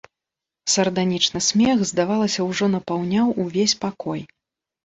Сарданічны смех, здавалася, ужо напаўняў увесь пакой.